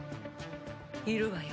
いるわよ。